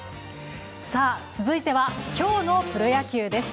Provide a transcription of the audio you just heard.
続いては、今日のプロ野球です。